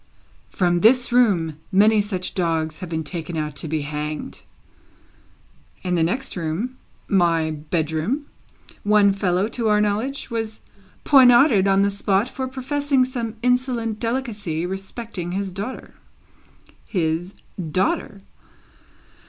From this room, many such dogs have been taken out to be hanged; in the next room (my bedroom), one fellow, to our knowledge, was poniarded on the spot for professing some insolent delicacy respecting his daughter his daughter?